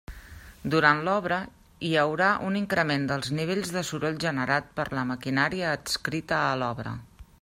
Durant l'obra hi haurà un increment dels nivells de soroll generat per la maquinària adscrita a l'obra.